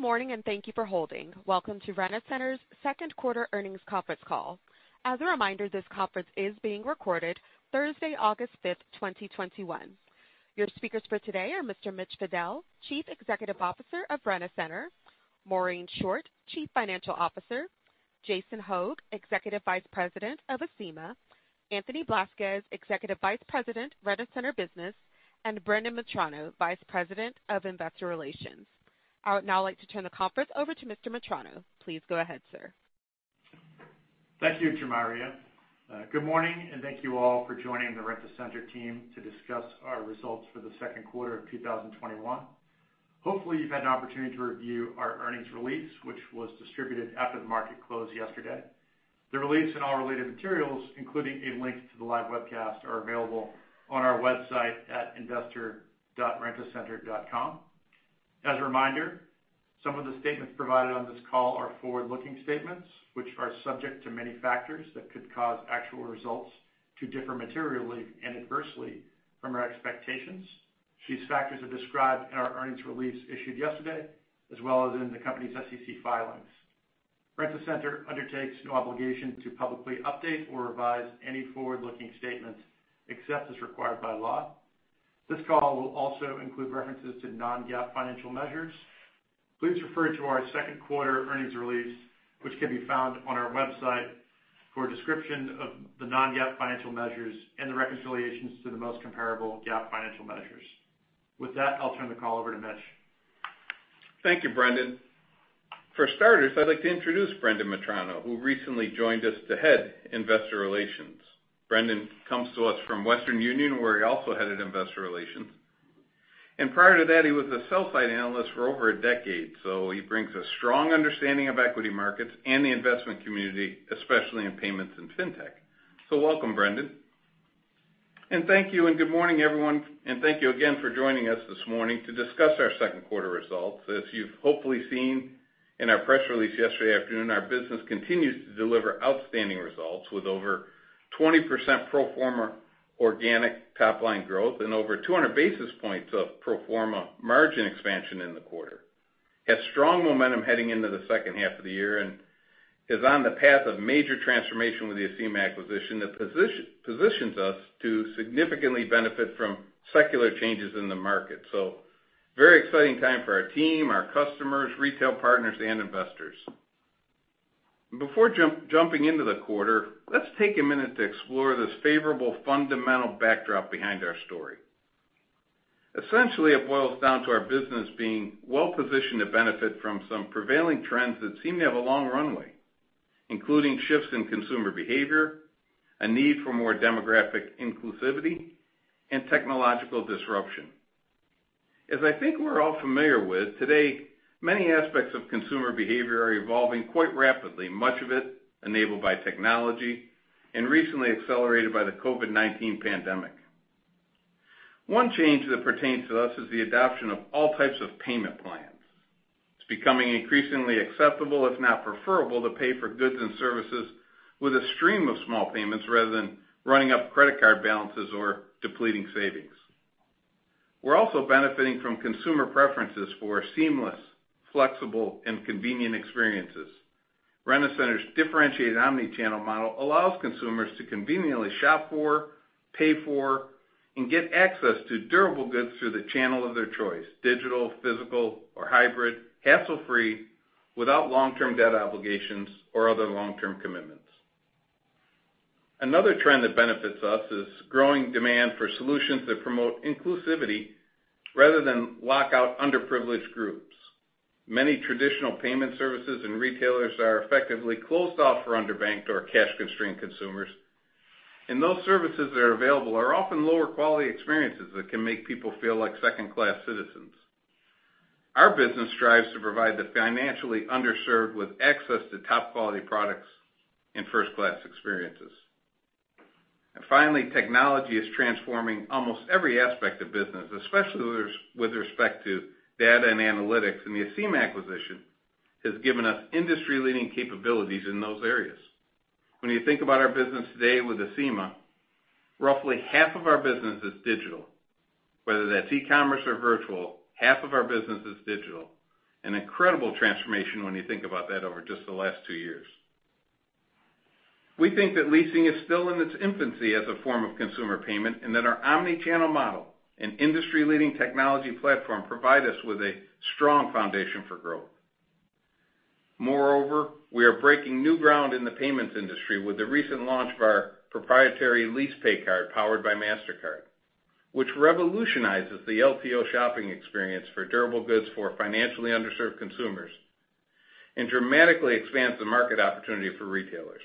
Good morning, and thank you for holding. Welcome to Rent-A-Center's second quarter earnings conference call. As a reminder, this conference is being recorded Thursday, August 5th, 2021. Your speakers for today are Mr. Mitch Fadel, Chief Executive Officer of Rent-A-Center, Maureen Short, Chief Financial Officer, Jason Hogg, Executive Vice President of Acima, Anthony Blasquez, Executive Vice President, Rent-A-Center Business, and Brendan Mitrano, Vice President of Investor Relations. I would now like to turn the conference over to Mr. Mitrano. Please go ahead, sir. Thank you, Jamaria. Good morning, and thank you all for joining the Rent-A-Center team to discuss our results for the second quarter of 2021. Hopefully, you've had an opportunity to review our earnings release, which was distributed after the market closed yesterday. The release and all related materials, including a link to the live webcast, are available on our website at investor.rentacenter.com. As a reminder, some of the statements provided on this call are forward-looking statements which are subject to many factors that could cause actual results to differ materially and adversely from our expectations. These factors are described in our earnings release issued yesterday, as well as in the company's SEC filings. Rent-A-Center undertakes no obligation to publicly update or revise any forward-looking statements, except as required by law. This call will also include references to non-GAAP financial measures. Please refer to our second quarter earnings release, which can be found on our website, for a description of the non-GAAP financial measures and the reconciliations to the most comparable GAAP financial measures. With that, I'll turn the call over to Mitch. Thank you, Brendan. For starters, I'd like to introduce Brendan Mitrano, who recently joined us to head investor relations. Brendan comes to us from Western Union, where he also headed investor relations. Prior to that, he was a sell-side analyst for over a decade. He brings a strong understanding of equity markets and the investment community, especially in payments and fintech. Welcome, Brendan. Thank you and good morning, everyone, and thank you again for joining us this morning to discuss our second quarter results. As you've hopefully seen in our press release yesterday afternoon, our business continues to deliver outstanding results with over 20% pro forma organic top-line growth and over 200 basis points of pro forma margin expansion in the quarter. We have strong momentum heading into the second half of the year and is on the path of major transformation with the Acima acquisition that positions us to significantly benefit from secular changes in the market. Very exciting time for our team, our customers, retail partners, and investors. Before jumping into the quarter, let's take a minute to explore this favorable fundamental backdrop behind our story. Essentially, it boils down to our business being well-positioned to benefit from some prevailing trends that seem to have a long runway, including shifts in consumer behavior, a need for more demographic inclusivity, and technological disruption. As I think we're all familiar with today, many aspects of consumer behavior are evolving quite rapidly, much of it enabled by technology and recently accelerated by the COVID-19 pandemic. One change that pertains to us is the adoption of all types of payment plans. It's becoming increasingly acceptable, if not preferable, to pay for goods and services with a stream of small payments rather than running up credit card balances or depleting savings. We're also benefiting from consumer preferences for seamless, flexible, and convenient experiences. Rent-A-Center's differentiated omni-channel model allows consumers to conveniently shop for, pay for, and get access to durable goods through the channel of their choice, digital, physical, or hybrid, hassle-free, without long-term debt obligations or other long-term commitments. Another trend that benefits us is growing demand for solutions that promote inclusivity rather than lock out underprivileged groups. Many traditional payment services and retailers are effectively closed off for underbanked or cash-constrained consumers, and those services that are available are often lower quality experiences that can make people feel like second-class citizens. Our business strives to provide the financially underserved with access to top-quality products and first-class experiences. Finally, technology is transforming almost every aspect of business, especially with respect to data and analytics, and the Acima acquisition has given us industry-leading capabilities in those areas. When you think about our business today with Acima, roughly half of our business is digital. Whether that's e-commerce or virtual, half of our business is digital. An incredible transformation when you think about that over just the last two years. We think that leasing is still in its infancy as a form of consumer payment and that our omni-channel model and industry-leading technology platform provide us with a strong foundation for growth. Moreover, we are breaking new ground in the payments industry with the recent launch of our proprietary LeasePay card, powered by Mastercard, which revolutionizes the LTO shopping experience for durable goods for financially underserved consumers and dramatically expands the market opportunity for retailers.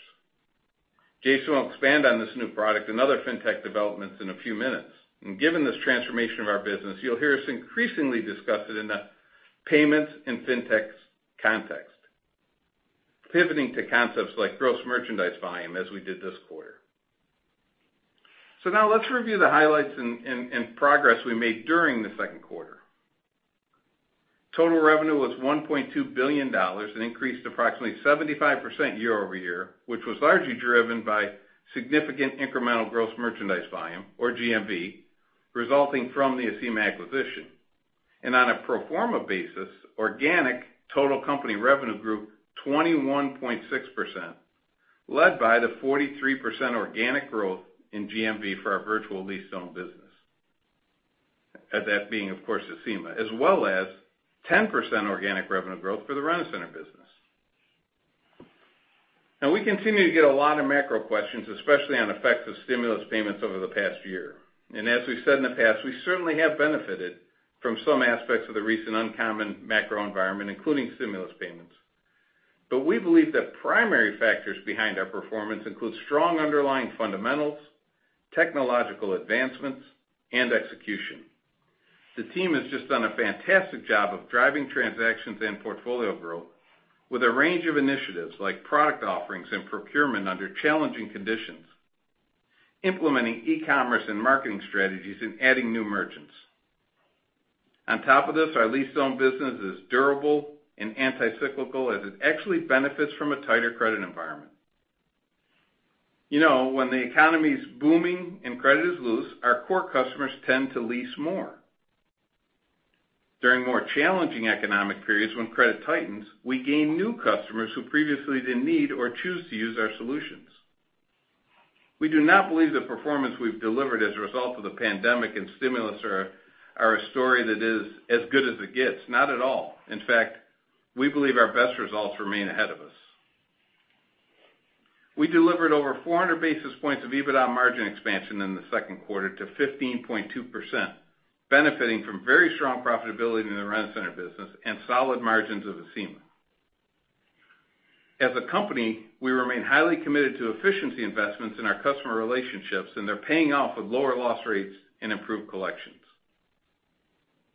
Jason Hogg will expand on this new product and other fintech developments in a few minutes. Given this transformation of our business, you will hear us increasingly discuss it in the payments and fintechs context, pivoting to concepts like gross merchandise volume as we did this quarter. Let's review the highlights and progress we made during the second quarter. Total revenue was $1.2 billion and increased approximately 75% year-over-year, which was largely driven by significant incremental gross merchandise volume, or GMV, resulting from the Acima acquisition. On a pro forma basis, organic total company revenue grew 21.6%, led by the 43% organic growth in GMV for our virtual lease own business. That being, of course, Acima, as well as 10% organic revenue growth for the Rent-A-Center business. We continue to get a lot of macro questions, especially on effects of stimulus payments over the past year. As we've said in the past, we certainly have benefited from some aspects of the recent uncommon macro environment, including stimulus payments. We believe that primary factors behind our performance include strong underlying fundamentals, technological advancements, and execution. The team has just done a fantastic job of driving transactions and portfolio growth with a range of initiatives like product offerings and procurement under challenging conditions, implementing e-commerce and marketing strategies, and adding new merchants. On top of this, our lease-to-own business is durable and anti-cyclical as it actually benefits from a tighter credit environment. When the economy's booming and credit is loose, our core customers tend to lease more. During more challenging economic periods when credit tightens, we gain new customers who previously didn't need or choose to use our solutions. We do not believe the performance we've delivered as a result of the pandemic and stimulus are a story that is as good as it gets. Not at all. In fact, we believe our best results remain ahead of us. We delivered over 400 basis points of EBITDA margin expansion in the second quarter to 15.2%, benefiting from very strong profitability in the Rent-A-Center business and solid margins of Acima. As a company, we remain highly committed to efficiency investments in our customer relationships, and they're paying off with lower loss rates and improved collections.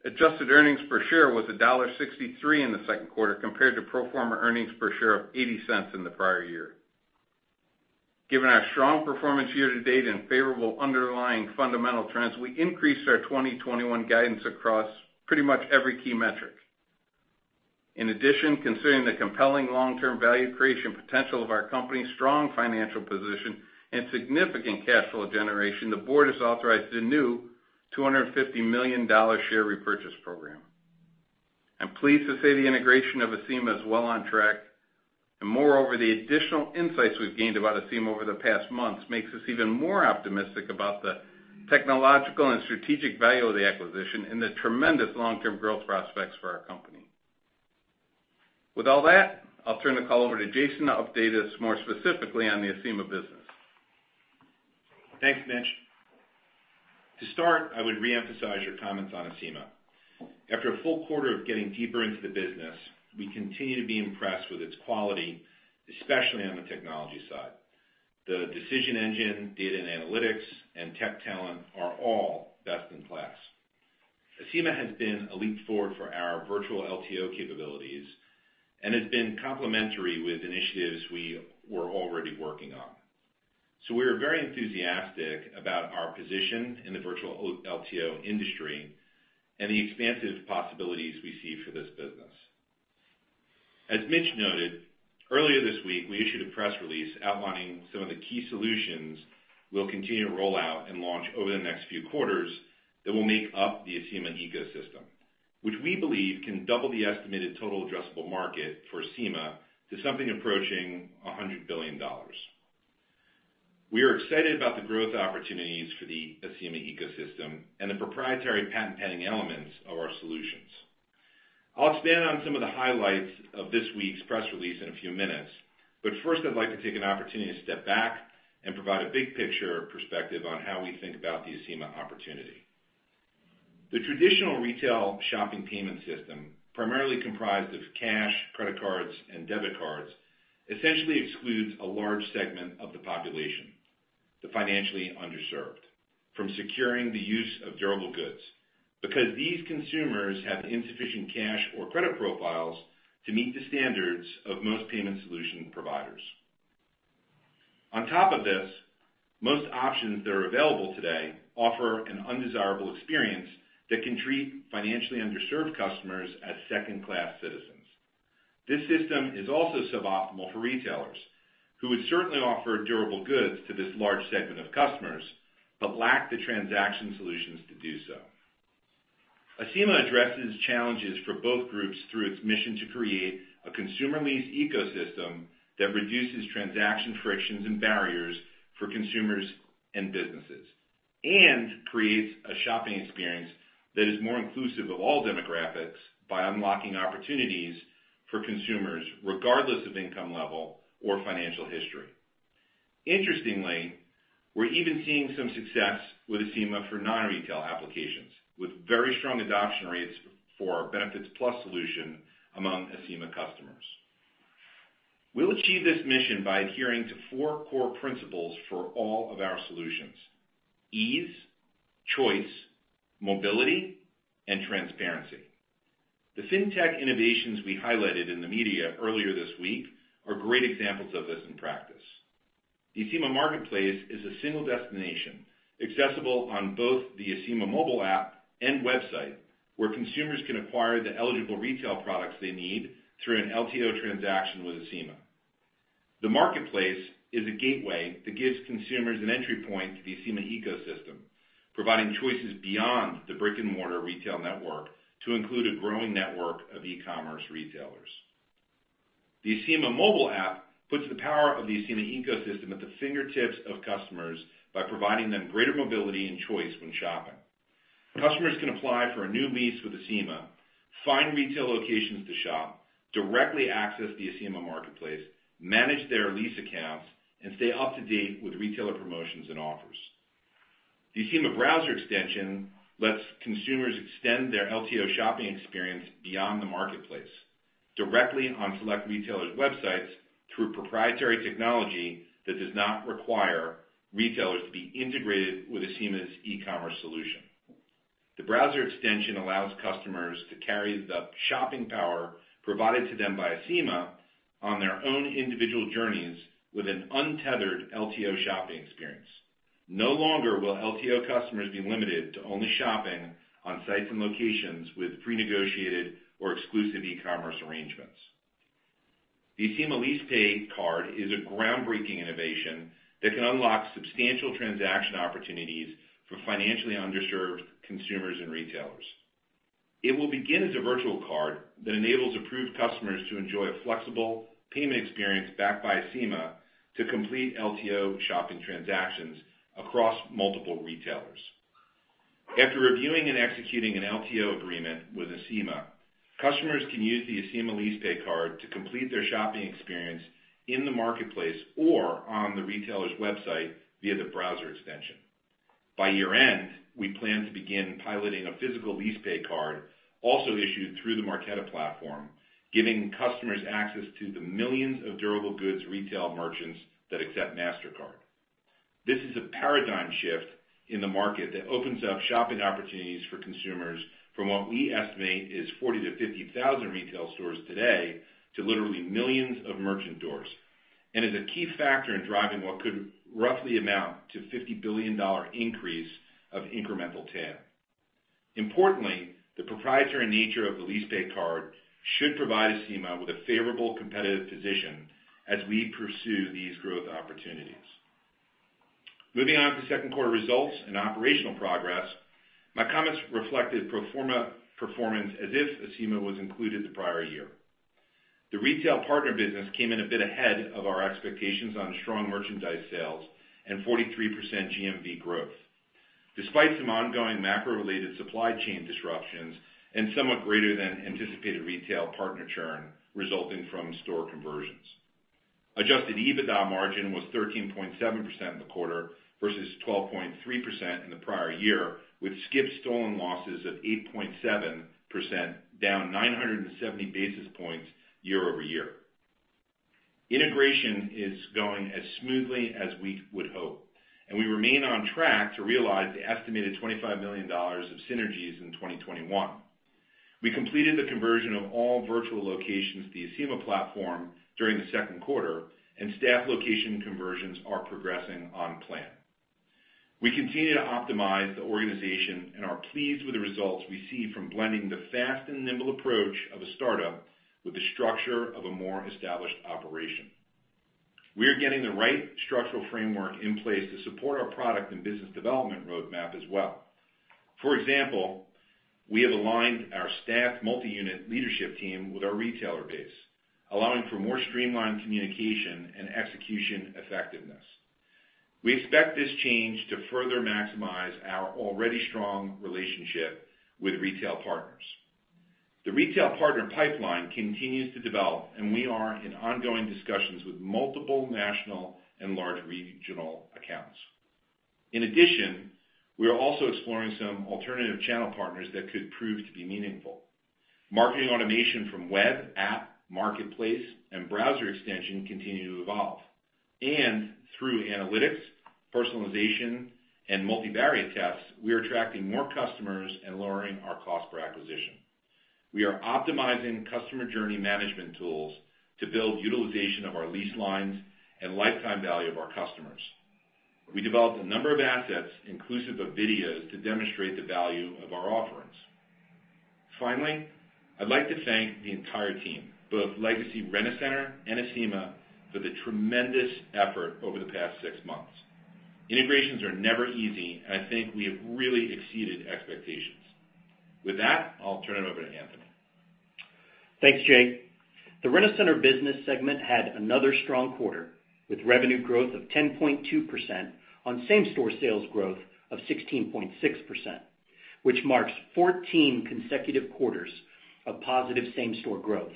Adjusted earnings per share was $1.63 in the second quarter, compared to pro forma earnings per share of $0.80 in the prior year. Given our strong performance year to date and favorable underlying fundamental trends, we increased our 2021 guidance across pretty much every key metric. In addition, considering the compelling long-term value creation potential of our company's strong financial position and significant cash flow generation, the board has authorized a new $250 million share repurchase program. I'm pleased to say the integration of Acima is well on track. Moreover, the additional insights we've gained about Acima over the past months makes us even more optimistic about the technological and strategic value of the acquisition and the tremendous long-term growth prospects for our company. With all that, I'll turn the call over to Jason to update us more specifically on the Acima business. Thanks, Mitch. To start, I would reemphasize your comments on Acima. After a full quarter of getting deeper into the business, we continue to be impressed with its quality, especially on the technology side. The decision engine, data and analytics, and tech talent are all best in class. Acima has been a leap forward for our virtual LTO capabilities and has been complementary with initiatives we were already working on. We are very enthusiastic about our position in the virtual LTO industry and the expansive possibilities we see for this business. As Mitch noted, earlier this week, we issued a press release outlining some of the key solutions we'll continue to roll out and launch over the next few quarters that will make up the Acima ecosystem, which we believe can double the estimated total addressable market for Acima to something approaching $100 billion. We are excited about the growth opportunities for the Acima ecosystem and the proprietary patent-pending elements of our solutions. I'll expand on some of the highlights of this week's press release in a few minutes, but first I'd like to take an opportunity to step back and provide a big picture perspective on how we think about the Acima opportunity. The traditional retail shopping payment system, primarily comprised of cash, credit cards, and debit cards, essentially excludes a large segment of the population, the financially underserved, from securing the use of durable goods because these consumers have insufficient cash or credit profiles to meet the standards of most payment solution providers. On top of this, most options that are available today offer an undesirable experience that can treat financially underserved customers as second-class citizens. This system is also suboptimal for retailers who would certainly offer durable goods to this large segment of customers but lack the transaction solutions to do so. Acima addresses challenges for both groups through its mission to create a consumer lease ecosystem that reduces transaction frictions and barriers for consumers and businesses and creates a shopping experience that is more inclusive of all demographics by unlocking opportunities for consumers regardless of income level or financial history. Interestingly, we're even seeing some success with Acima for non-retail applications with very strong adoption rates for our Acima Benefits Plus solution among Acima customers. We'll achieve this mission by adhering to four core principles for all of our solutions: ease, choice, mobility, and transparency. The Fintech innovations we highlighted in the media earlier this week are great examples of this in practice. The Acima Marketplace is a single destination accessible on both the Acima mobile app and website, where consumers can acquire the eligible retail products they need through an LTO transaction with Acima. The marketplace is a gateway that gives consumers an entry point to the Acima ecosystem, providing choices beyond the brick-and-mortar retail network to include a growing network of e-commerce retailers. The Acima mobile app puts the power of the Acima ecosystem at the fingertips of customers by providing them greater mobility and choice when shopping. Customers can apply for a new lease with Acima, find retail locations to shop, directly access the Acima Marketplace, manage their lease accounts, and stay up to date with retailer promotions and offers. The Acima browser extension lets consumers extend their LTO shopping experience beyond the marketplace, directly on select retailers' websites through proprietary technology that does not require retailers to be integrated with Acima's e-commerce solution. The browser extension allows customers to carry the shopping power provided to them by Acima on their own individual journeys with an untethered LTO shopping experience. No longer will LTO customers be limited to only shopping on sites and locations with prenegotiated or exclusive e-commerce arrangements. The Acima LeasePay Card is a groundbreaking innovation that can unlock substantial transaction opportunities for financially underserved consumers and retailers. It will begin as a virtual card that enables approved customers to enjoy a flexible payment experience backed by Acima to complete LTO shopping transactions across multiple retailers. After reviewing and executing an LTO agreement with Acima, customers can use the Acima LeasePay Card to complete their shopping experience in the marketplace or on the retailer's website via the browser extension. By year-end, we plan to begin piloting a physical LeasePay Card also issued through the Marqeta platform, giving customers access to the millions of durable goods retail merchants that accept Mastercard. This is a paradigm shift in the market that opens up shopping opportunities for consumers from what we estimate is 40,000-50,000 retail stores today to literally millions of merchant doors, and is a key factor in driving what could roughly amount to a $50 billion increase of incremental TAM. Importantly, the proprietary nature of the LeasePay Card should provide Acima with a favorable competitive position as we pursue these growth opportunities. Moving on to second quarter results and operational progress, my comments reflected pro forma performance as if Acima was included the prior year. The retail partner business came in a bit ahead of our expectations on strong merchandise sales and 43% GMV growth, despite some ongoing macro-related supply chain disruptions and somewhat greater than anticipated retail partner churn resulting from store conversions. Adjusted EBITDA margin was 13.7% in the quarter versus 12.3% in the prior year, with skipped stolen losses of 8.7% down 970 basis points year-over-year. Integration is going as smoothly as we would hope, and we remain on track to realize the estimated $25 million of synergies in 2021. We completed the conversion of all virtual locations to the Acima platform during the second quarter, and staff location conversions are progressing on plan. We continue to optimize the organization and are pleased with the results we see from blending the fast and nimble approach of a startup with the structure of a more established operation. We are getting the right structural framework in place to support our product and business development roadmap as well. For example, we have aligned our staff multi-unit leadership team with our retailer base, allowing for more streamlined communication and execution effectiveness. We expect this change to further maximize our already strong relationship with retail partners. The retail partner pipeline continues to develop, and we are in ongoing discussions with multiple national and large regional accounts. In addition, we are also exploring some alternative channel partners that could prove to be meaningful. Marketing automation from web, app, Acima Marketplace, and browser extension continue to evolve. Through analytics, personalization, and multivariate tests, we are attracting more customers and lowering our cost per acquisition. We are optimizing customer journey management tools to build utilization of our lease lines and lifetime value of our customers. We developed a number of assets inclusive of videos to demonstrate the value of our offerings. Finally, I'd like to thank the entire team, both legacy Rent-A-Center and Acima, for the tremendous effort over the past six months. Integrations are never easy, and I think we have really exceeded expectations. With that, I'll turn it over to Anthony. Thanks, Jamaria. The Rent-A-Center business segment had another strong quarter, with revenue growth of 10.2% on same-store sales growth of 16.6%, which marks 14 consecutive quarters of positive same-store growth.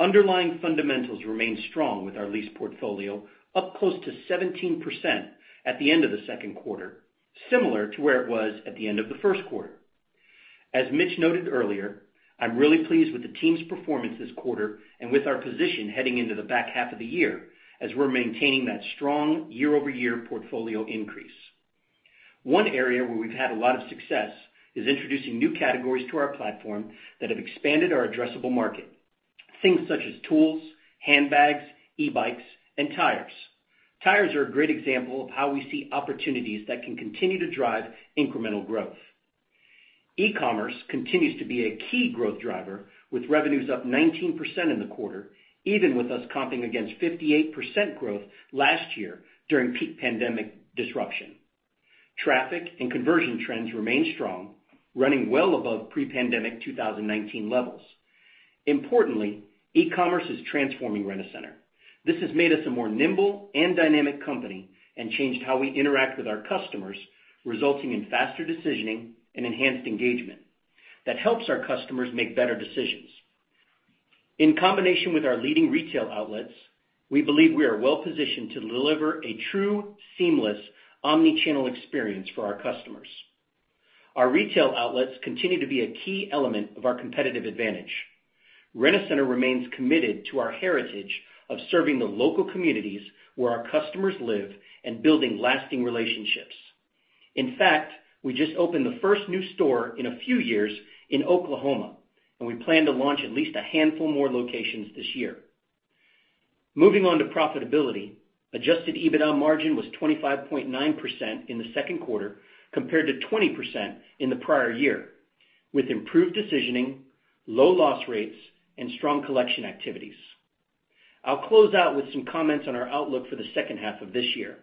Underlying fundamentals remain strong with our lease portfolio up close to 17% at the end of the second quarter, similar to where it was at the end of the first quarter. As Mitch Fadel noted earlier, I'm really pleased with the team's performance this quarter and with our position heading into the back half of the year as we're maintaining that strong year-over-year portfolio increase. One area where we've had a lot of success is introducing new categories to our platform that have expanded our addressable market. Things such as tools, handbags, e-bikes, and tires. Tires are a great example of how we see opportunities that can continue to drive incremental growth. E-commerce continues to be a key growth driver, with revenues up 19% in the quarter, even with us comping against 58% growth last year during peak pandemic disruption. Traffic and conversion trends remain strong, running well above pre-pandemic 2019 levels. Importantly, e-commerce is transforming Rent-A-Center. This has made us a more nimble and dynamic company and changed how we interact with our customers, resulting in faster decisioning and enhanced engagement that helps our customers make better decisions. In combination with our leading retail outlets, we believe we are well-positioned to deliver a true seamless omni-channel experience for our customers. Our retail outlets continue to be a key element of our competitive advantage. Rent-A-Center remains committed to our heritage of serving the local communities where our customers live and building lasting relationships. In fact, we just opened the first new store in a few years in Oklahoma, and we plan to launch at least a handful more locations this year. Moving on to profitability, adjusted EBITDA margin was 25.9% in the second quarter, compared to 20% in the prior year, with improved decisioning, low loss rates, and strong collection activities. I'll close out with some comments on our outlook for the second half of this year.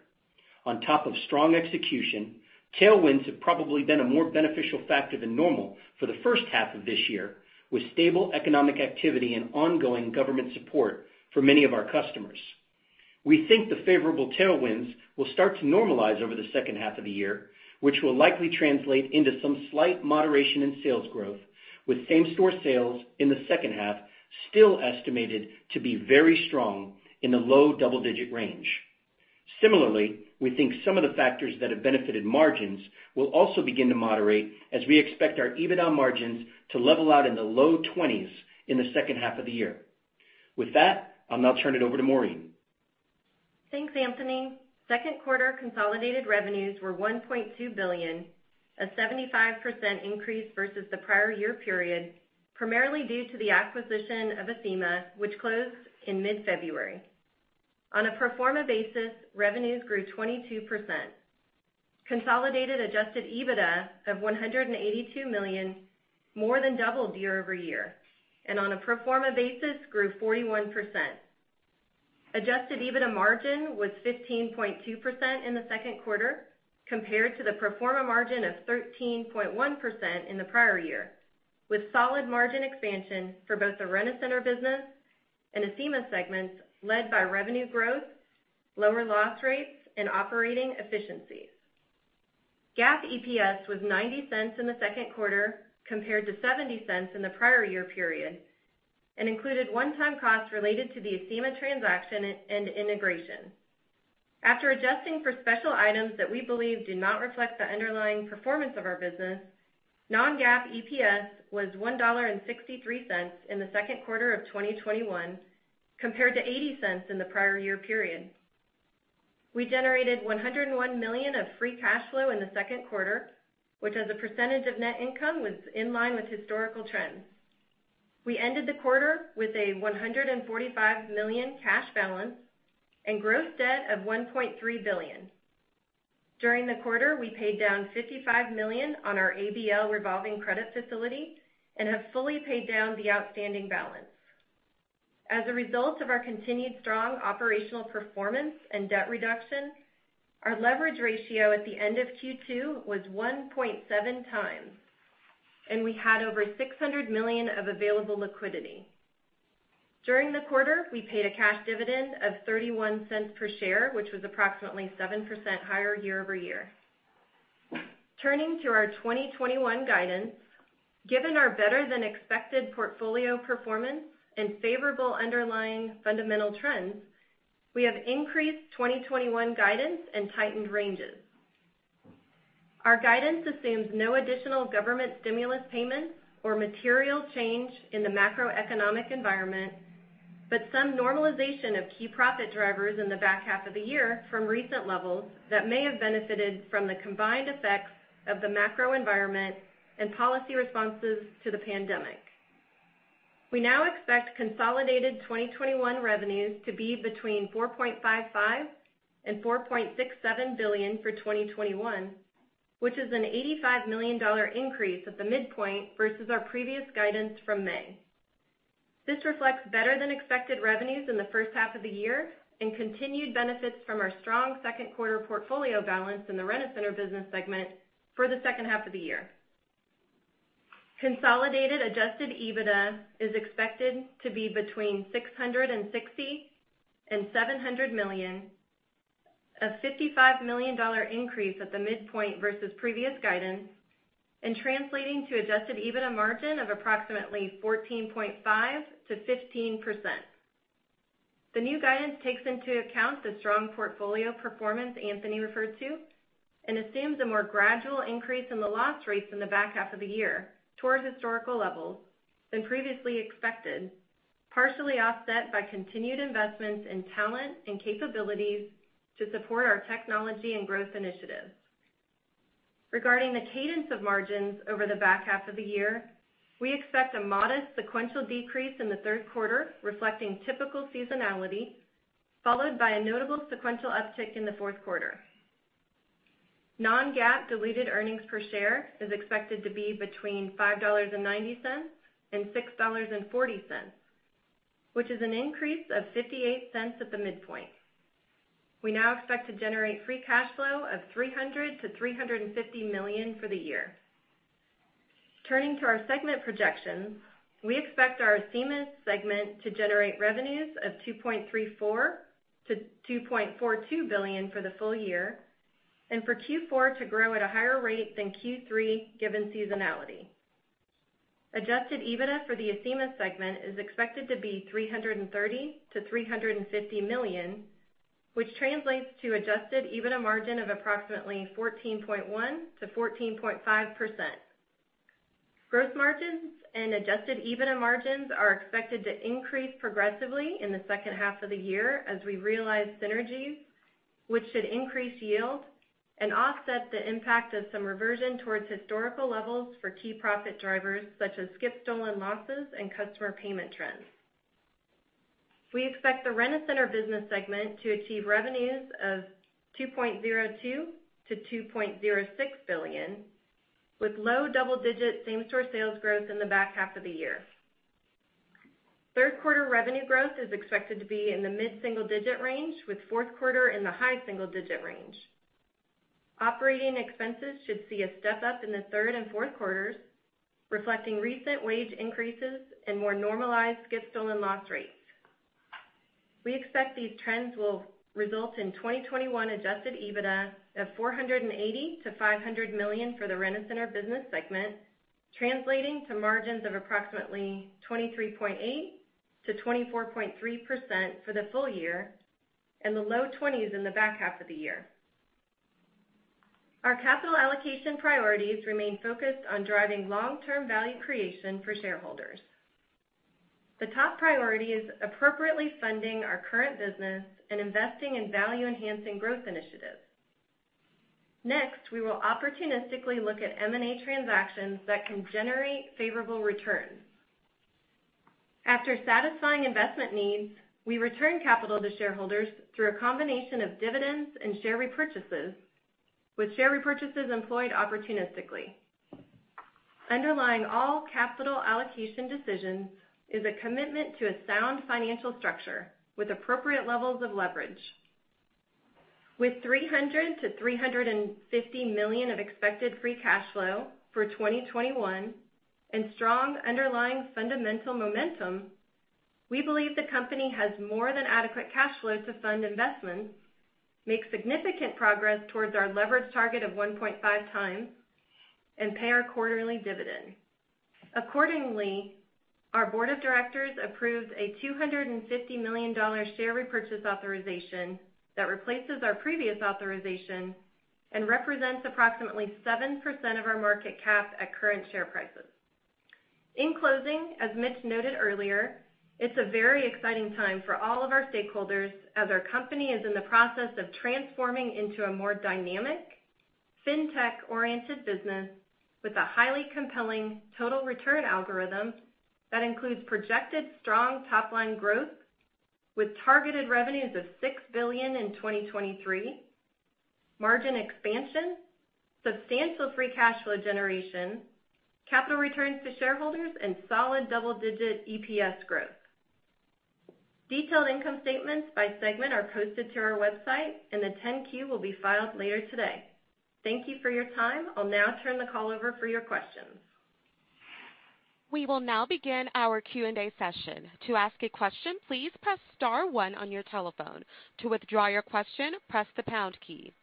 On top of strong execution, tailwinds have probably been a more beneficial factor than normal for the first half of this year, with stable economic activity and ongoing government support for many of our customers. We think the favorable tailwinds will start to normalize over the second half of the year, which will likely translate into some slight moderation in sales growth, with same-store sales in the second half still estimated to be very strong in the low double-digit range. Similarly, we think some of the factors that have benefited margins will also begin to moderate, as we expect our EBITDA margins to level out in the low 20s in the second half of the year. With that, I'll now turn it over to Maureen. Thanks, Anthony. Second quarter consolidated revenues were $1.2 billion, a 75% increase versus the prior year period, primarily due to the acquisition of Acima, which closed in mid-February. On a pro forma basis, revenues grew 22%. Consolidated adjusted EBITDA of $182 million more than doubled year-over-year, and on a pro forma basis, grew 41%. Adjusted EBITDA margin was 15.2% in the second quarter, compared to the pro forma margin of 13.1% in the prior year, with solid margin expansion for both the Rent-A-Center business and Acima segments led by revenue growth, lower loss rates, and operating efficiencies. GAAP EPS was $0.90 in the second quarter, compared to $0.70 in the prior year period and included one-time costs related to the Acima transaction and integration. After adjusting for special items that we believe did not reflect the underlying performance of our business, non-GAAP EPS was $1.63 in the second quarter of 2021, compared to $0.80 in the prior year period. We generated $101 million of free cash flow in the second quarter, which as a percentage of net income, was in line with historical trends. We ended the quarter with a $145 million cash balance and gross debt of $1.3 billion. During the quarter, we paid down $55 million on our ABL revolving credit facility and have fully paid down the outstanding balance. As a result of our continued strong operational performance and debt reduction, our leverage ratio at the end of Q2 was 1.7 times, and we had over $600 million of available liquidity. During the quarter, we paid a cash dividend of $0.31 per share, which was approximately 7% higher year-over-year. Turning to our 2021 guidance, given our better-than-expected portfolio performance and favorable underlying fundamental trends, we have increased 2021 guidance and tightened ranges. Our guidance assumes no additional government stimulus payments or material change in the macroeconomic environment, but some normalization of key profit drivers in the back half of the year from recent levels that may have benefited from the combined effects of the macro environment and policy responses to the pandemic. We now expect consolidated 2021 revenues to be between $4.55 billion-$4.67 billion for 2021, which is an $85 million increase at the midpoint versus our previous guidance from May. This reflects better than expected revenues in the first half of the year and continued benefits from our strong second quarter portfolio balance in the Rent-A-Center business segment for the second half of the year. Consolidated adjusted EBITDA is expected to be between $660 million and $700 million, a $55 million increase at the midpoint versus previous guidance, and translating to adjusted EBITDA margin of approximately 14.5%-15%. The new guidance takes into account the strong portfolio performance Anthony referred to and assumes a more gradual increase in the loss rates in the back half of the year towards historical levels than previously expected, partially offset by continued investments in talent and capabilities to support our technology and growth initiatives. Regarding the cadence of margins over the back half of the year, we expect a modest sequential decrease in the third quarter, reflecting typical seasonality. Followed by a notable sequential uptick in the fourth quarter. Non-GAAP diluted earnings per share is expected to be between $5.90 and $6.40, which is an increase of $0.58 at the midpoint. We now expect to generate free cash flow of $300 million-$350 million for the year. Turning to our segment projections, we expect our Acima segment to generate revenues of $2.34 billion-$2.42 billion for the full year and for Q4 to grow at a higher rate than Q3 given seasonality. Adjusted EBITDA for the Acima segment is expected to be $330 million-$350 million, which translates to Adjusted EBITDA margin of approximately 14.1%-14.5%. Gross margins and adjusted EBITDA margins are expected to increase progressively in the second half of the year as we realize synergies, which should increase yield and offset the impact of some reversion towards historical levels for key profit drivers such as skip stolen losses and customer payment trends. We expect the Rent-A-Center business segment to achieve revenues of $2.02 billion-$2.06 billion with low double-digit same-store sales growth in the back half of the year. third quarter revenue growth is expected to be in the mid-single digit range, with fourth quarter in the high single digit range. Operating expenses should see a step-up in the third and fourth quarters, reflecting recent wage increases and more normalized skip stolen loss rates. We expect these trends will result in 2021 adjusted EBITDA of $480 million-$500 million for the Rent-A-Center Business segment, translating to margins of approximately 23.8%-24.3% for the full year and the low 20s in the back half of the year. Our capital allocation priorities remain focused on driving long-term value creation for shareholders. The top priority is appropriately funding our current business and investing in value-enhancing growth initiatives. Next, we will opportunistically look at M&A transactions that can generate favorable returns. After satisfying investment needs, we return capital to shareholders through a combination of dividends and share repurchases, with share repurchases employed opportunistically. Underlying all capital allocation decisions, is a commitment to a sound financial structure with appropriate levels of leverage. With $300 million-$350 million of expected free cash flow for 2021 and strong underlying fundamental momentum, we believe the company has more than adequate cash flow to fund investments, make significant progress towards our leverage target of 1.5 times, and pay our quarterly dividend. Our board of directors approved a $250 million share repurchase authorization that replaces our previous authorization and represents approximately 7% of our market cap at current share prices. In closing, as Mitch noted earlier, it's a very exciting time for all of our stakeholders as our company is in the process of transforming into a more dynamic, fintech-oriented business with a highly compelling total return algorithm that includes projected strong top-line growth with targeted revenues of $6 billion in 2023, margin expansion, substantial free cash flow generation, capital returns to shareholders, and solid double-digit EPS growth. Detailed income statements by segment are posted to our website. The 10-Q will be filed later today. Thank you for your time. I'll now turn the call over for your questions. We will now begin our Q&A session. To ask a question, please press star, one on your telephone. To withdraw your question, press the pound key.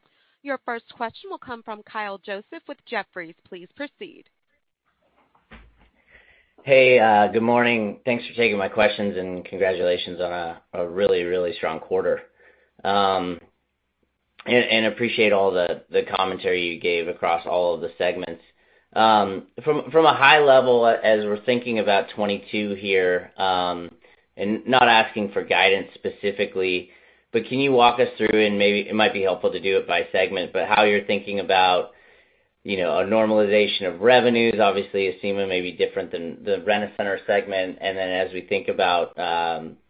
Your first question will come from Kyle Joseph with Jefferies. Please proceed. Hey, good morning. Thanks for taking my questions and congratulations on a really, really strong quarter. Appreciate all the commentary you gave across all of the segments. From a high level, as we're thinking about 2022 here, and not asking for guidance specifically, but can you walk us through, and it might be helpful to do it by segment, but how you're thinking about a normalization of revenues. Obviously, Acima may be different than the Rent-A-Center segment. Then as we think about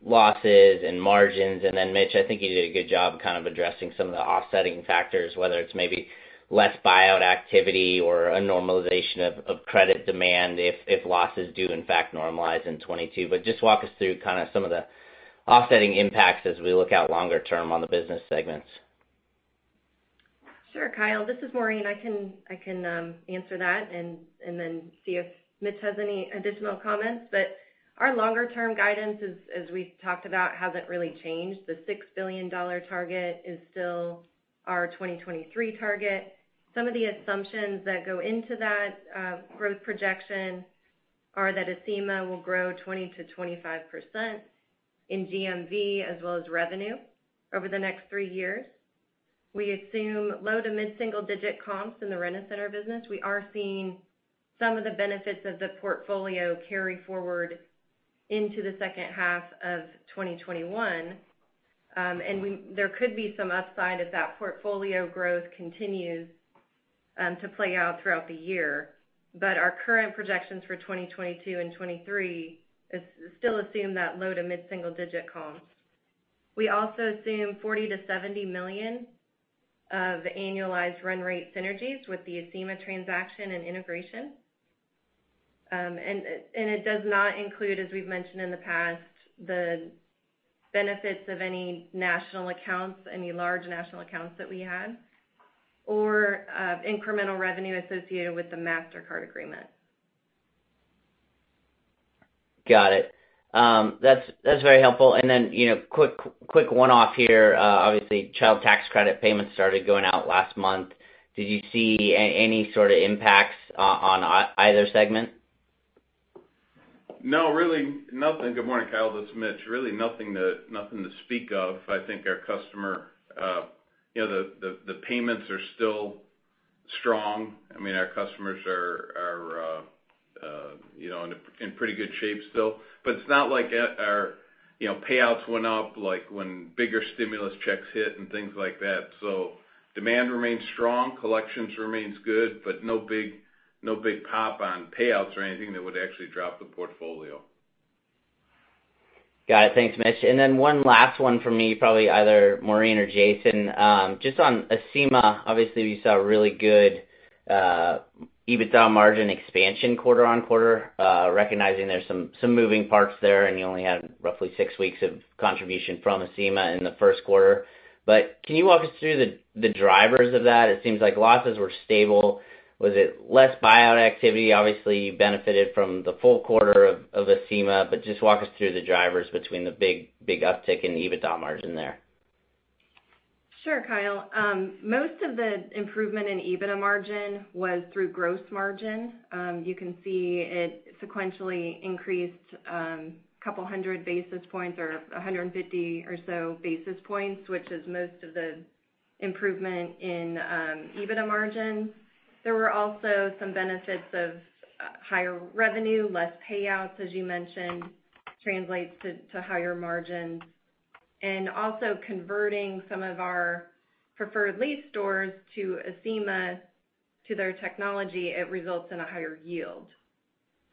losses and margins, and then Mitch, I think you did a good job kind of addressing some of the offsetting factors, whether it's maybe less buyout activity or a normalization of credit demand if losses do in fact normalize in 2022. Just walk us through kind of some of the offsetting impacts as we look out longer term on the business segments. Sure, Kyle, this is Maureen. I can answer that and then see if Mitch has any additional comments. Our longer-term guidance, as we've talked about, hasn't really changed. The $6 billion target is still our 2023 target. Some of the assumptions that go into that growth projection are that Acima will grow 20%-25% in GMV as well as revenue over the next three years. We assume low- to mid-single digit comps in the Rent-A-Center business. We are seeing some of the benefits of the portfolio carry forward into the second half of 2021. There could be some upside if that portfolio growth continues to play out throughout the year. Our current projections for 2022 and 2023 still assume that low-to-mid single-digit comp. We also assume $40 million-$70 million of annualized run rate synergies with the Acima transaction and integration. It does not include, as we've mentioned in the past, the benefits of any national accounts, any large national accounts that we had, or incremental revenue associated with the Mastercard agreement. Got it, that's very helpful. Quick one-off here. Obviously, child tax credit payments started going out last month. Did you see any sort of impacts on either segment? No, really nothing. Good morning, Kyle, this is Mitch. Really nothing to speak of. I think the payments are still strong, our customers are in pretty good shape still, but it's not like our payouts went up, like when bigger stimulus checks hit and things like that. Demand remains strong, collections remains good, but no big pop on payouts or anything that would actually drop the portfolio. Got it, thanks, Mitch. One last one for me, probably either Maureen or Jason. Just on Acima, obviously, we saw really good EBITDA margin expansion quarter on quarter. Recognizing there's some moving parts there, and you only had roughly six weeks of contribution from Acima in the first quarter. Can you walk us through the drivers of that? It seems like losses were stable. Was it less buyout activity? Obviously, you benefited from the full quarter of Acima, but just walk us through the drivers between the big uptick in EBITDA margin there. Sure, Kyle. Most of the improvement in EBITDA margin was through gross margin. You can see it sequentially increased 200 basis points or 150 or so basis points, which is most of the improvement in EBITDA margin. There were also some benefits of higher revenue, less payouts, as you mentioned, translates to higher margin. Also converting some of our preferred lease stores to Acima, to their technology, it results in a higher yield.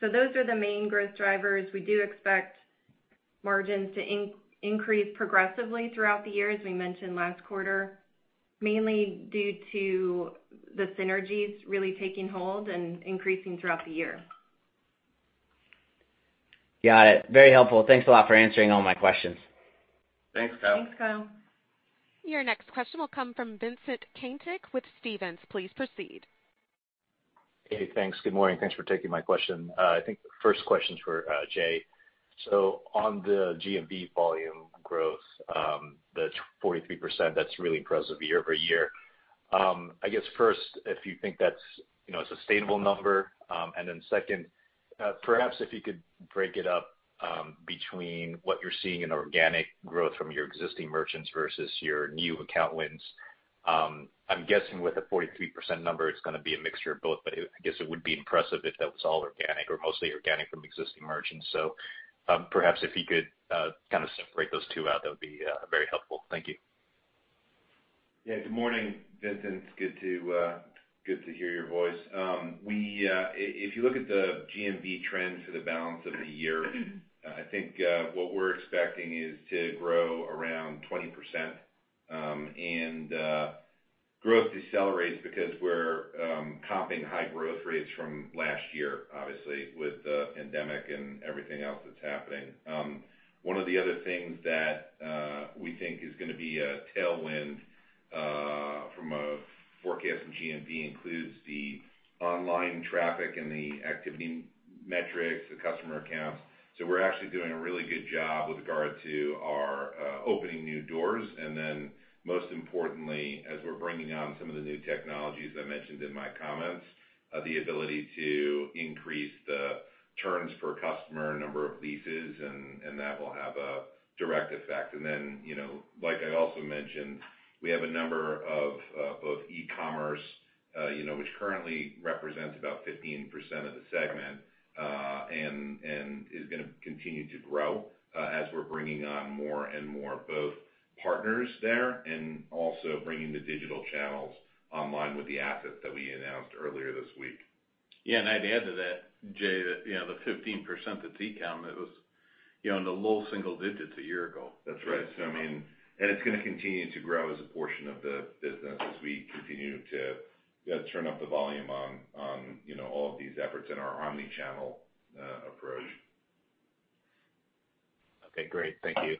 Those are the main growth drivers. We do expect margins to increase progressively throughout the year, as we mentioned last quarter, mainly due to the synergies really taking hold and increasing throughout the year. Got it. Very helpful. Thanks a lot for answering all my questions. Thanks, Kyle. Thanks, Kyle. Your next question will come from Vincent Caintic with Stephens. Please proceed. Hey, thanks. Good morning, thanks for taking my question. I think the first question's for Jay. On the GMV volume growth, the 43%, that's really impressive year-over-year. I guess first, if you think that's a sustainable number. Second, perhaps if you could break it up between what you're seeing in organic growth from your existing merchants versus your new account wins. I'm guessing with the 43% number, it's going to be a mixture of both, but I guess it would be impressive if that was all organic or mostly organic from existing merchants. Perhaps if you could kind of separate those two out, that would be very helpful. Thank you. Good morning, Vincent, it's good to hear your voice. If you look at the GMV trends for the balance of the year, I think what we're expecting is to grow around 20%. Growth decelerates because we're comping high growth rates from last year, obviously, with the pandemic and everything else that's happening. One of the other things that we think is going to be a tailwind from a forecast in GMV includes the online traffic and the activity metrics, the customer accounts. We're actually doing a really good job with regard to our opening new doors. Most importantly, as we're bringing on some of the new technologies I mentioned in my comments, the ability to increase the turns per customer, number of leases, and that will have a direct effect. Then, like I also mentioned, we have a number of both e-commerce, which currently represents about 15% of the segment, and is going to continue to grow as we're bringing on more and more both partners there and also bringing the digital channels online with the assets that we announced earlier this week. Yeah, I'd add to that, Jay, that the 15% that's e-com, that was in the low single digits a year ago. That's right. It's going to continue to grow as a portion of the business as we continue to turn up the volume on all of these efforts in our omni-channel approach. Okay, great, thank you.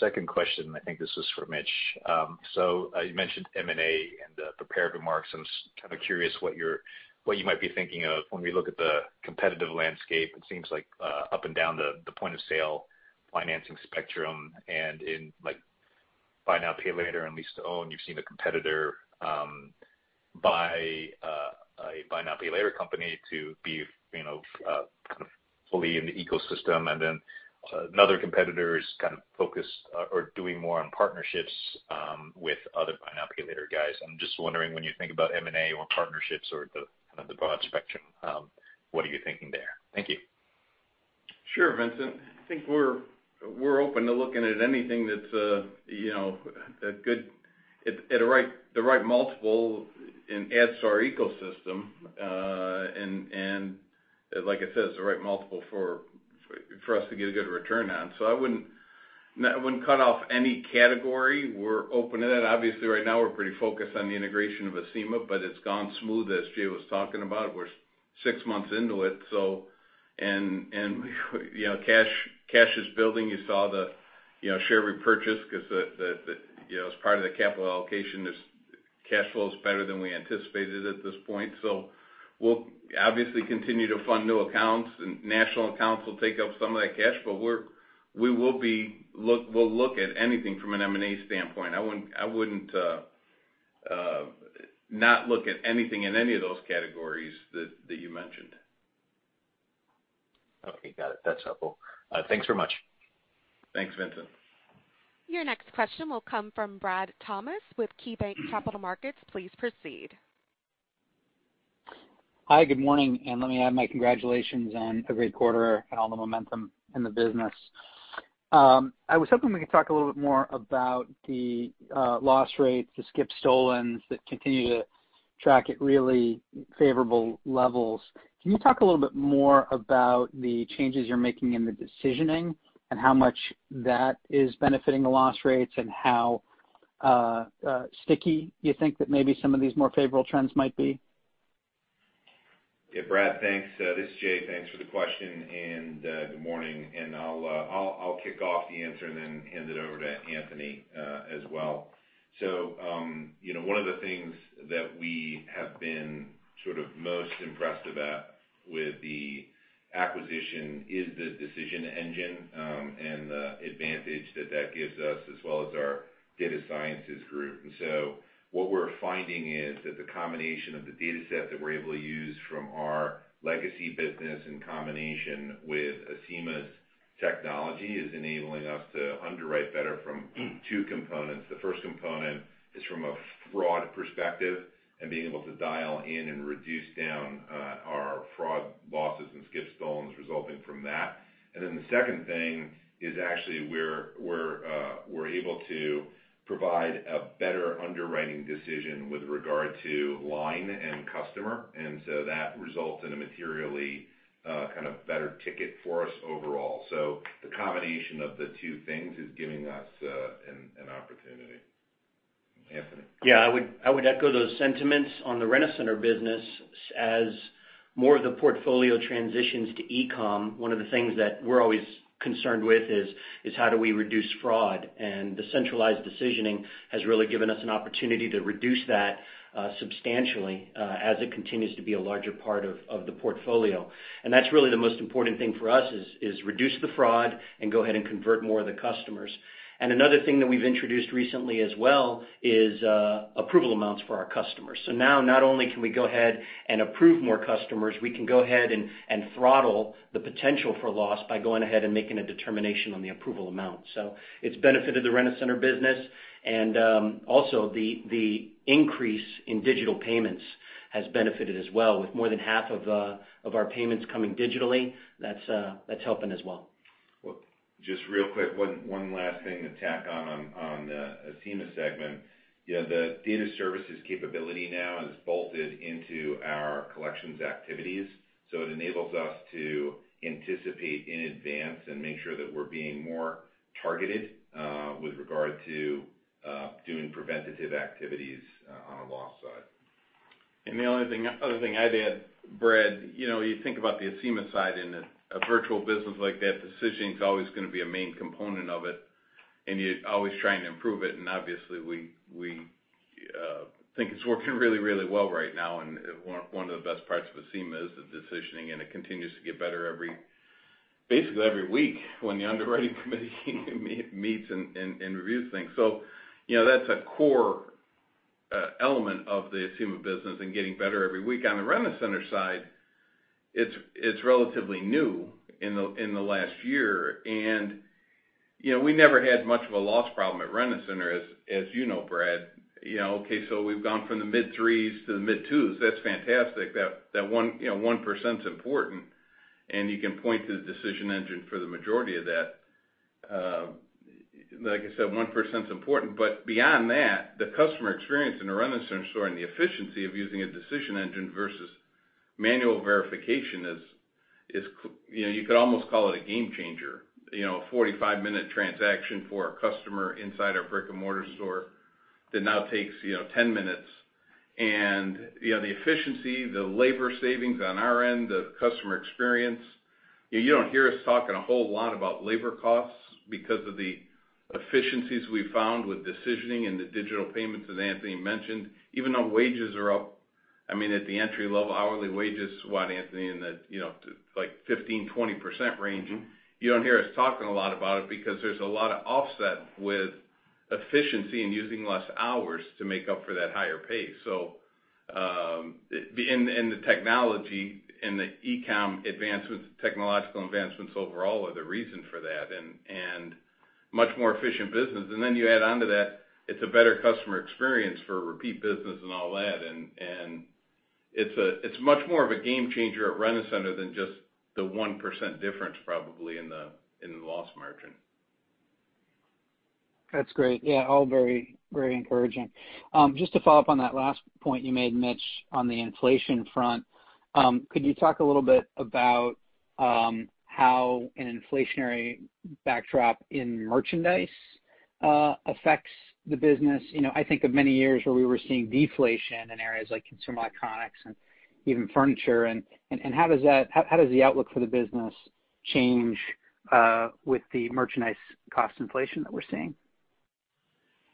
Second question, I think this is for Mitch. You mentioned M&A in the prepared remarks. I'm kind of curious what you might be thinking of when we look at the competitive landscape, it seems like up and down the point-of-sale financing spectrum and in like buy now, pay later and lease-to-own, you've seen a competitor buy a buy now, pay later company to be kind of fully in the ecosystem. Another competitor is kind of focused or doing more on partnerships with other buy now, pay later guys. I'm just wondering when you think about M&A or partnerships or the kind of the broad spectrum, what are you thinking there? Thank you. Sure, Vincent. I think we're open to looking at anything that's at the right multiple and adds to our ecosystem. Like I said, it's the right multiple for us to get a good return on. I wouldn't cut off any category. We're open to that. Obviously, right now, we're pretty focused on the integration of Acima, but it's gone smooth as Jay was talking about. We're six months into it. Cash is building. You saw the share repurchase because as part of the capital allocation, this cash flow is better than we anticipated at this point. We'll obviously continue to fund new accounts, and national accounts will take up some of that cash. We'll look at anything from an M&A standpoint. I wouldn't not look at anything in any of those categories that you mentioned. Okay, got it. That's helpful, thanks so much. Thanks, Vincent. Your next question will come from Bradley Thomas with KeyBanc Capital Markets. Please proceed. Hi, good morning. Let me add my congratulations on a great quarter and all the momentum in the business. I was hoping we could talk a little bit more about the loss rates, the skip stolens that continue to track at really favorable levels. Can you talk a little bit more about the changes you're making in the decisioning and how much that is benefiting the loss rates and how sticky you think that maybe some of these more favorable trends might be? Yeah, Brad, thanks. This is Jay. Thanks for the question, and good morning, and I'll kick off the answer and then hand it over to Anthony as well. One of the things that we have been sort of most impressed about with the acquisition is the decision engine, and the advantage that that gives us, as well as our data sciences group. What we're finding is that the combination of the dataset that we're able to use from our legacy business in combination with Acima's technology is enabling us to underwrite better from two components. The first component is from a fraud perspective and being able to dial in and reduce down our fraud losses and skip stolens resulting from that. The second thing is actually we're able to provide a better underwriting decision with regard to line and customer. That results in a materially kind of better ticket for us overall. The combination of the two things is giving us an opportunity. Anthony. Yeah, I would echo those sentiments on the Rent-A-Center business. As more of the portfolio transitions to e-com, one of the things that we're always concerned with is how do we reduce fraud? The centralized decisioning has really given us an opportunity to reduce that substantially as it continues to be a larger part of the portfolio. That's really the most important thing for us is reduce the fraud and go ahead and convert more of the customers. Another thing that we've introduced recently as well is approval amounts for our customers. Now not only can we go ahead and approve more customers, we can go ahead and throttle the potential for loss by going ahead and making a determination on the approval amount. It's benefited the Rent-A-Center business. Also the increase in digital payments has benefited as well with more than half of our payments coming digitally. That's helping as well. Just real quick, one last thing to tack on the Acima segment. The data services capability now is bolted into our collections activities, so it enables us to anticipate in advance and make sure that we're being more targeted with regard to doing preventative activities on the loss side. The only other thing I'd add, Brad, you think about the Acima side in a virtual business like that, decisioning is always going to be a main component of it, and you're always trying to improve it. Obviously, we think it's working really well right now. One of the best parts of Acima is the decisioning, and it continues to get better basically every week when the underwriting committee meets and reviews things. That's a core element of the Acima business and getting better every week. On the Rent-A-Center side, it's relatively new in the last year, and we never had much of a loss problem at Rent-A-Center, as you know, Brad. We've gone from the mid 3s to the mid 2s. That's fantastic. That 1%'s important, you can point to the decision engine for the majority of that. Like I said, 1%'s important, beyond that, the customer experience in a Rent-A-Center store and the efficiency of using a decision engine versus manual verification is, you could almost call it a game changer. A 45-minute transaction for a customer inside our brick-and-mortar store that now takes 10 minutes. The efficiency, the labor savings on our end, the customer experience. You don't hear us talking a whole lot about labor costs because of the efficiencies we found with decisioning and the digital payments, as Anthony mentioned. Even though wages are up, I mean, at the entry level, hourly wage is what, Anthony, in the 15%-20% range? You don't hear us talking a lot about it because there's a lot of offset with efficiency and using less hours to make up for that higher pay. The technology and the e-com advancements, technological advancements overall, are the reason for that. Much more efficient business. You add onto that, it's a better customer experience for repeat business and all that. It's much more of a game changer at Rent-A-Center than just the 1% difference probably in the loss margin. That's great. Yeah, all very encouraging. Just to follow up on that last point you made, Mitch, on the inflation front, could you talk a little bit about how an inflationary backdrop in merchandise affects the business? I think of many years where we were seeing deflation in areas like consumer electronics and even furniture. How does the outlook for the business change with the merchandise cost inflation that we're seeing?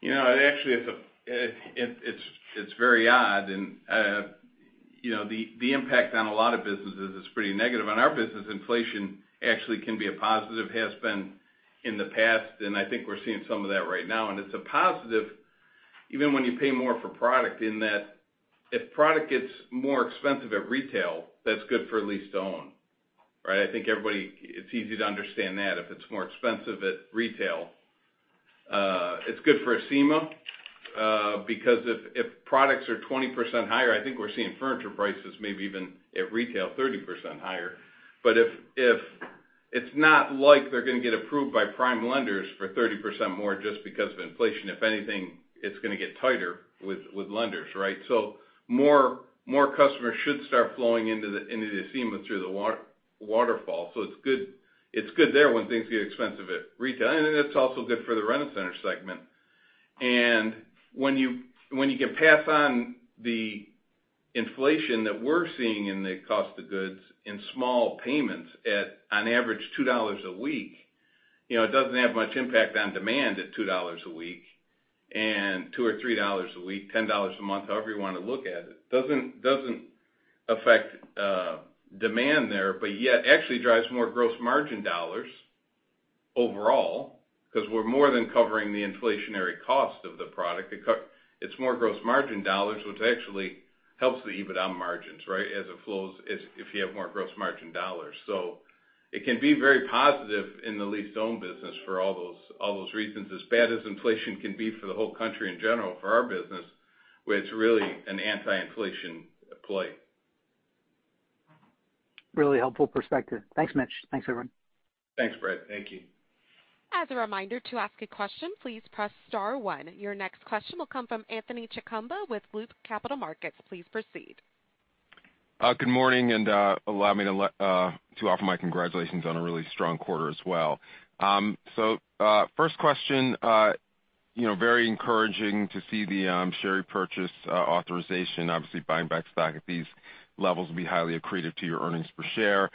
Actually, it's very odd, and the impact on a lot of businesses is pretty negative. On our business, inflation actually can be a positive, has been in the past, and I think we're seeing some of that right now, and it's a positive even when you pay more for product, in that if product gets more expensive at retail, that's good for lease to own. I think it's easy to understand that if it's more expensive at retail. It's good for Acima because if products are 20% higher, I think we're seeing furniture prices maybe even at retail 30% higher. It's not like they're going to get approved by prime lenders for 30% more just because of inflation. If anything, it's going to get tighter with lenders, right? More customers should start flowing into Acima through the waterfall. It's good there when things get expensive at retail, and it's also good for the Rent-A-Center segment. When you can pass on the inflation that we're seeing in the cost of goods in small payments at on average $2 a week, it doesn't have much impact on demand at $2 a week and $2 or $3 a week, $10 a month, however you want to look at it. Doesn't affect demand there, but yet actually drives more gross margin dollars. Overall, because we're more than covering the inflationary cost of the product, it's more gross margin dollars, which actually helps the EBITDA margins, as it flows if you have more gross margin dollars. It can be very positive in the lease-to-own business for all those reasons. As bad as inflation can be for the whole country in general, for our business, it's really an anti-inflation play. Really helpful perspective. Thanks, Mitch, thanks, everyone. Thanks, Brad. Thank you. As a reminder, to ask a question please press star one. Your next question will come from Anthony Chukumba with Loop Capital Markets. Please proceed. Good morning, allow me to offer my congratulations on a really strong quarter as well. First question, very encouraging to see the share repurchase authorization. Obviously buying back stock at these levels will be highly accretive to your earnings per share.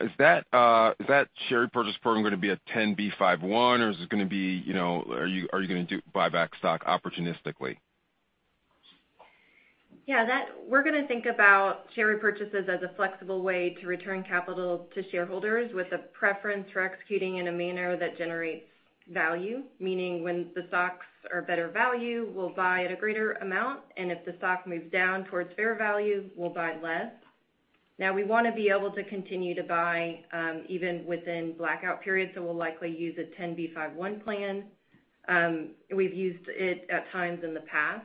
Is that share purchase program going to be a 10b5-1 or are you going to buy back stock opportunistically? Yeah. We're going to think about share repurchases as a flexible way to return capital to shareholders with a preference for executing in a manner that generates value. Meaning when the stocks are better value, we'll buy at a greater amount, and if the stock moves down towards fair value, we'll buy less. We want to be able to continue to buy even within blackout periods, so we'll likely use a 10b5-1 plan. We've used it at times in the past.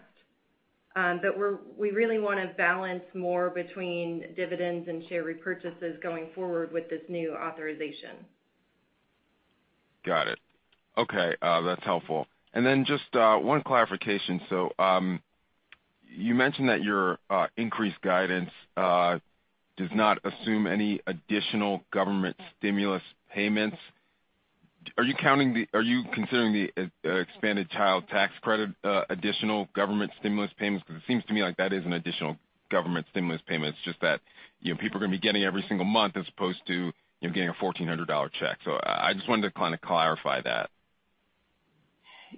We really want to balance more between dividends and share repurchases going forward with this new authorization. Got it. Okay, that's helpful. Just one clarification. You mentioned that your increased guidance does not assume any additional government stimulus payments. Are you considering the expanded Child Tax Credit additional government stimulus payments? It seems to me like that is an additional government stimulus payment. It's just that people are going to be getting every single month as opposed to getting a $1,400 cheque. I just wanted to kind of clarify that.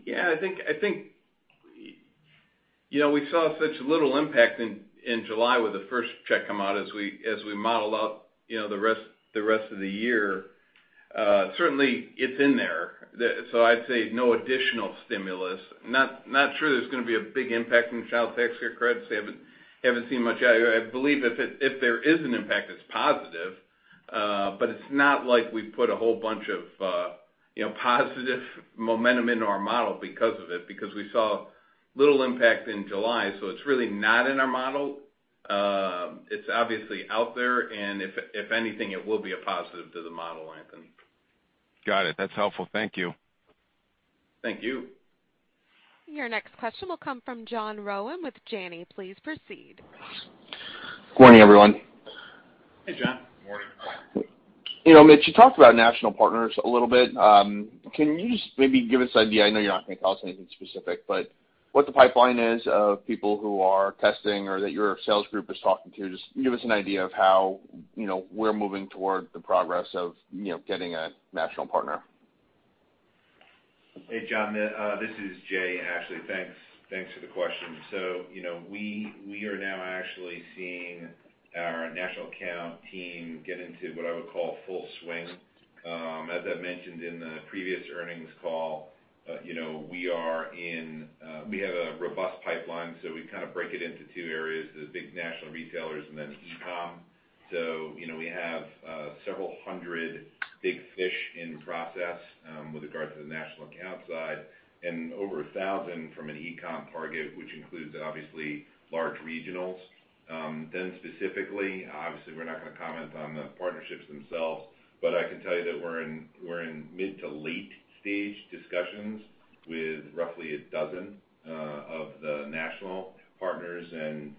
Yeah. I think we saw such little impact in July when the first check come out as we model out the rest of the year. Certainly it's in there. I'd say no additional stimulus. Not sure there's going to be a big impact on the child tax care credits. I haven't seen much. I believe if there is an impact, it's positive. It's not like we've put a whole bunch of positive momentum into our model because of it, because we saw little impact in July. It's really not in our model. It's obviously out there, and if anything, it will be a positive to the model, Anthony. Got it. That's helpful, thank you. Thank you. Your next question will come from John Rowan with Janney. Please proceed. Good morning, everyone. Hey, John. Morning. Mitch, you talked about national partners a little bit. Can you just maybe give us an idea, I know you're not going to tell us anything specific, but what the pipeline is of people who are testing or that your sales group is talking to, just give us an idea of how we're moving toward the progress of getting a national partner? Hey, John, this is Jay, actually. Thanks for the question. We are now actually seeing our national account team get into what I would call full swing. As I mentioned in the previous earnings call, we have a robust pipeline, so we kind of break it into two areas, the big national retailers and then e-com. We have several hundred big fish in process, with regards to the national account side and over 1,000 from an e-com target, which includes obviously large regionals. Specifically, obviously, we're not going to comment on the partnerships themselves, but I can tell you that we're in mid to late stage discussions with roughly a dozen of the national partners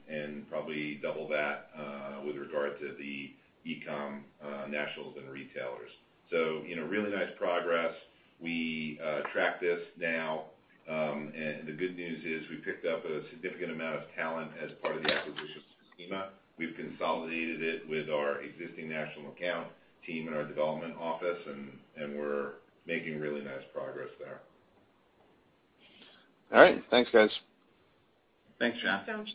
and probably double that with regard to the e-com nationals and retailers. Really nice progress. We track this now, and the good news is we picked up a significant amount of talent as part of the acquisition for Acima. We've consolidated it with our existing national account team and our development office, and we're making really nice progress there. All right. Thanks, guys. Thanks, John. Thanks.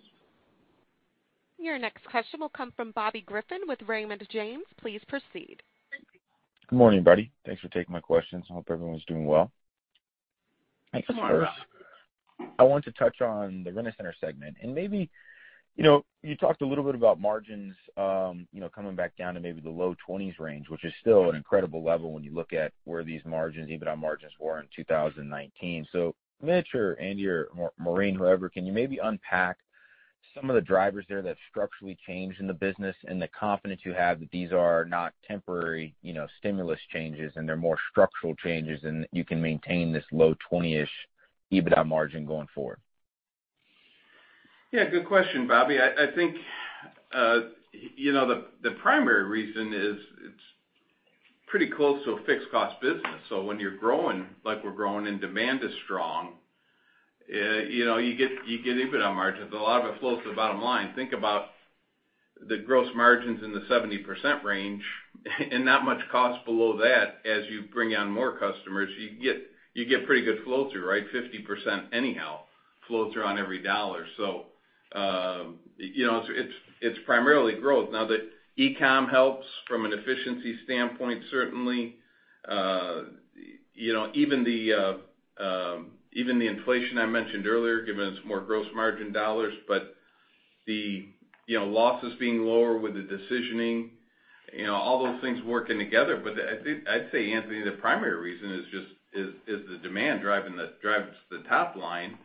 Your next question will come from Bobby Griffin with Raymond James. Please proceed. Good morning, everybody. Thanks for taking my questions, I hope everyone's doing well. Good morning, Bobby. First, I wanted to touch on the Rent-A-Center segment and maybe, you talked a little bit about margins coming back down to maybe the low 20s range, which is still an incredible level when you look at where these margins, EBITDA margins, were in 2019. Mitch or Andy or Maureen, whoever, can you maybe unpack some of the drivers there that structurally changed in the business and the confidence you have that these are not temporary stimulus changes and they're more structural changes, and you can maintain this low 20-ish EBITDA margin going forward? Yeah, good question, Bobby. I think, the primary reason is it's pretty close to a fixed cost business. When you're growing, like we're growing, and demand is strong, you get EBITDA margins. A lot of it flows to the bottom line. Think about the gross margins in the 70% range and that much cost below that as you bring on more customers, you get pretty good flow through, right? 50% anyhow flow through on every dollar. It's primarily growth. Now, the e-com helps from an efficiency standpoint, certainly. Even the inflation I mentioned earlier, given it's more gross margin dollars, but the losses being lower with the decisioning, all those things working together. I'd say, Anthony, the primary reason is the demand driving the top line.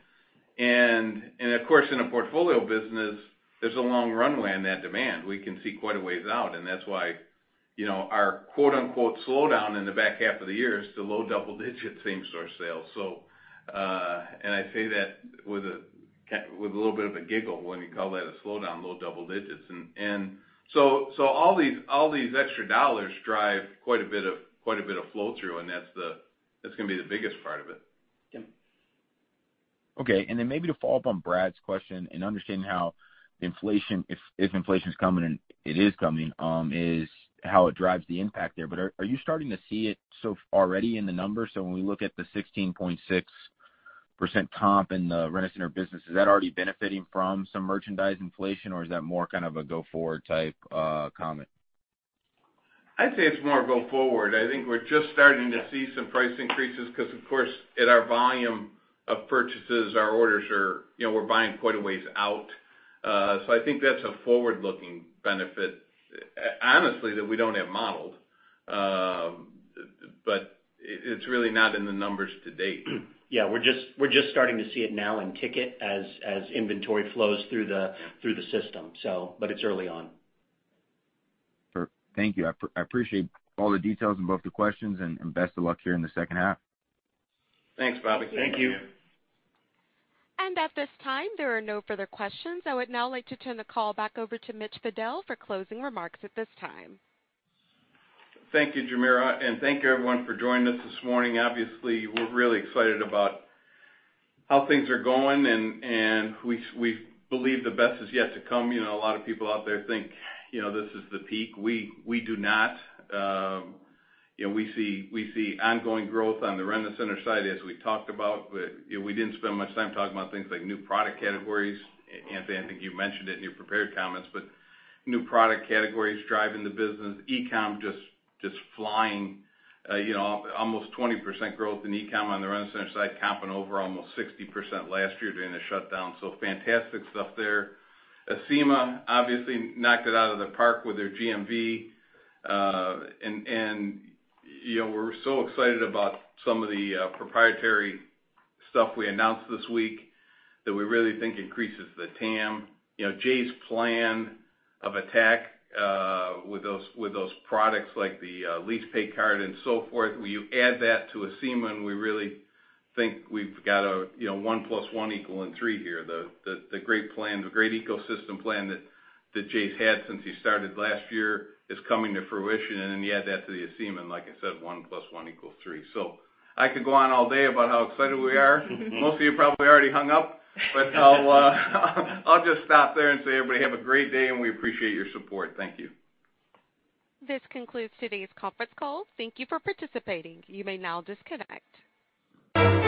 Of course, in a portfolio business, there's a long runway on that demand. We can see quite a ways out, and t why our quote, unquote, "Slowdown" in the back half of the year is still low double-digits same-store sales. I say that with a little bit of a giggle when you call that a slowdown, low double-digits. All these extra dollars drive quite a bit of flow-through and that's going to be the biggest part of it. Okay. Maybe to follow up on Brad's question and understanding how if inflation's coming, and it is coming, is how it drives the impact there. Are you starting to see it so already in the numbers? When we look at the 16.6% comp in the Rent-A-Center business, is that already benefiting from some merchandise inflation, or is that more kind of a go forward type comment? I'd say it's more go forward. I think we're just starting to see some price increases because, of course, at our volume of purchases, our orders, we're buying quite a ways out. I think that's a forward-looking benefit, honestly, that we don't have modeled. It's really not in the numbers to date. Yeah. We're just starting to see it now and ticket as inventory flows through the system, but it's early on. Sure. Thank you. I appreciate all the details on both the questions, and best of luck here in the second half. Thanks, Bobby. Thank you. At this time, there are no further questions. I would now like to turn the call back over to Mitch Fadel for closing remarks at this time. Thank you, Jamira, and thank you, everyone, for joining us this morning. We're really excited about how things are going, and we believe the best is yet to come. A lot of people out there think this is the peak. We do not. We see ongoing growth on the Rent-A-Center side as we talked about, we didn't spend much time talking about things like new product categories. Anthony, I think you mentioned it in your prepared comments, new product categories driving the business. E-com just flying, almost 20% growth in e-com on the Rent-A-Center side, comping over almost 60% last year during the shutdown. Fantastic stuff there. Acima obviously knocked it out of the park with their GMV. We're so excited about some of the proprietary stuff we announced this week that we really think increases the TAM. Jason Hogg's plan of attack with those products like the LeasePay Card and so forth, when you add that to Acima, and we really think we've got a one plus one equaling three here. The great ecosystem plan that Jason Hogg's had since he started last year is coming to fruition. Then you add that to the Acima, and like I said, one plus one equals three. I could go on all day about how excited we are. Most of you probably already hung up, but I'll just stop there and say everybody have a great day, and we appreciate your support. Thank you. This concludes today's conference call. Thank you for participating. You may now disconnect.